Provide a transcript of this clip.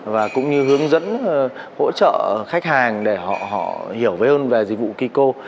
và cũng như hướng dẫn hỗ trợ khách hàng để họ hiểu hơn về dịch vụ kỳ cô